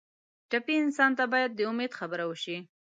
ټپي انسان ته باید د امید خبره وشي.